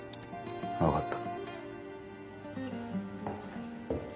分かった。